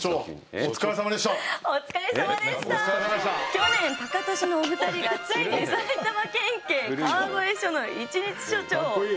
去年タカトシのお二人がついに埼玉県警川越署の一日署長を。